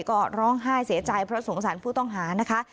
ก็ร้องไห้เสียใจเพราะสงสารผู้ต้องหานะคะ